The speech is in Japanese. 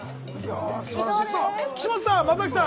岸本さん、松崎さん